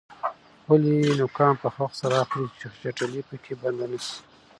خپلې نوکان په وخت سره اخلئ چې چټلي پکې بنده نشي.